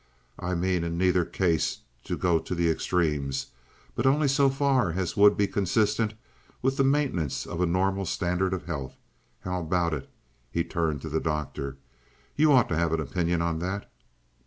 I mean in neither case to go to the extremes, but only so far as would be consistent with the maintenance of a normal standard of health. How about it?" He turned to the Doctor. "You ought to have an opinion on that."